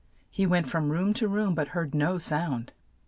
He went from room to room, but heard no sound.